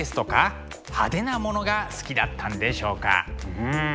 うん。